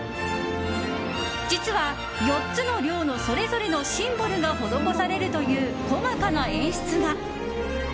実は、４つの寮のそれぞれのシンボルが施されるという細かな演出が。